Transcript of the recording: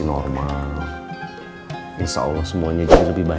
harganya juga sama seperti biasa